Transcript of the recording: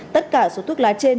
tất cả số thuốc lá trên